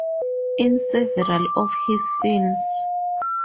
In several of his films.